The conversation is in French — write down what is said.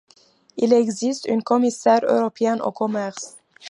Il existe un Commissaire européen au commerce.